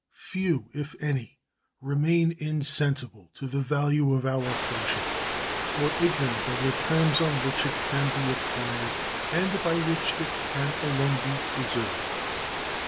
Few, if any, remain insensible to the value of our friendship or ignorant of the terms on which it can be acquired and by which it can alone be preserved.